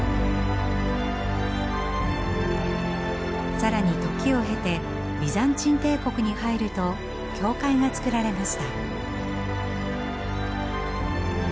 更に時を経てビザンチン帝国に入ると教会が作られました。